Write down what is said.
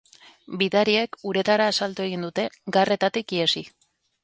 Bidariek uretara salto egin dute, garretatik ihesi.